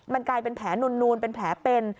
มันกลายเป็นแผลนูนเป็นแผลเป็น